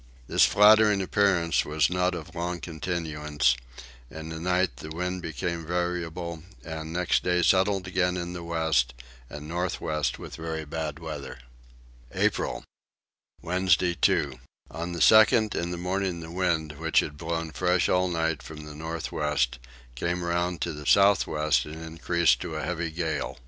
This flattering appearance was not of long continuance: in the night the wind became variable and next day settled again in the west and north west with very bad weather. April. Wednesday 2. On the 2nd in the morning the wind, which had blown fresh all night from the north west, came round to the south west and increased to a heavy gale.